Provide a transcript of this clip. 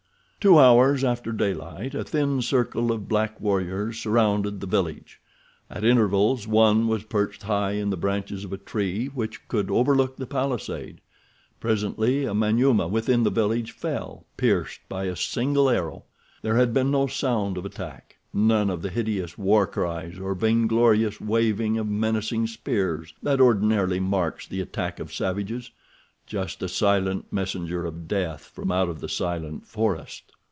Two hours after daylight a thin circle of black warriors surrounded the village. At intervals one was perched high in the branches of a tree which could overlook the palisade. Presently a Manyuema within the village fell, pierced by a single arrow. There had been no sound of attack—none of the hideous war cries or vainglorious waving of menacing spears that ordinarily marks the attack of savages—just a silent messenger of death from out of the silent forest.